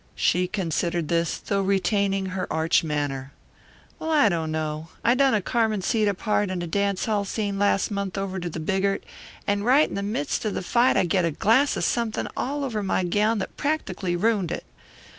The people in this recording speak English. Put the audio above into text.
She considered this, though retaining her arch manner. "Well, I don't know. I done a Carmencita part in a dance hall scene last month over to the Bigart, and right in the mi'st of the fight I get a glass of somethin' all over my gown that practically rooned it.